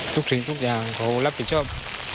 สิ่งทุกอย่างเขารับผิดชอบ